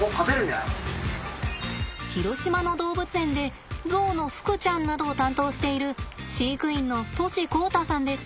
広島の動物園でゾウのふくちゃんなどを担当している飼育員の杜師弘太さんです。